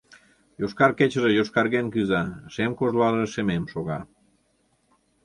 Йошкар кечыже йошкарген кӱза, Шем кожлаже шемем шога.